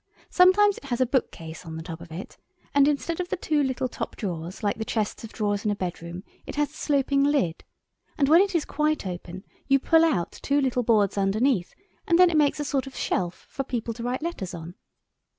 Sometimes it has a bookcase on the top of it, and instead of the two little top corner drawers like the chests of drawers in a bedroom it has a sloping lid, and when it is quite open you pull out two little boards underneath—and then it makes a sort of shelf for people to write letters on.